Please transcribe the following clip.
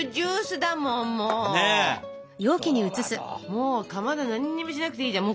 もうかまど何もしなくていいじゃん。